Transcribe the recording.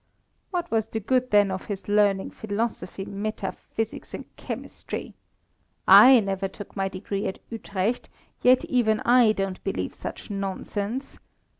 What was the good, then, of his learning philosophy, metaphysics, and chemistry? I never took my degree at Utrecht, yet even I don't believe such nonsense.